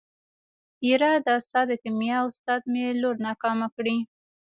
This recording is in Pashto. يره دا ستا د کيميا استاد مې لور ناکامه کړې.